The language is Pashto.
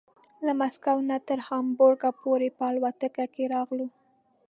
له مسکو نه تر هامبورګ پورې په الوتکه کې راغلو.